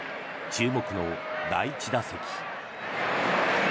注目の第１打席。